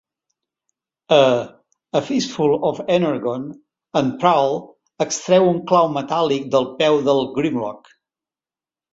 A "A fistful of energon", en Prowl extreu un clau metàl·lic del peu del Grimlock.